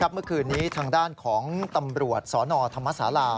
เมื่อคืนนี้ทางด้านของตำรวจสนธรรมศาลา